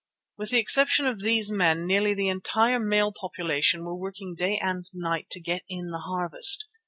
With the exception of these men nearly the entire male population were working day and night to get in the harvest.